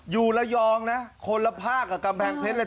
อยู่ระยองนะคนละภาคกับกำแพงเพชรเลย